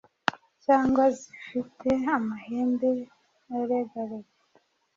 cyangwa zifite amahembe aregarega,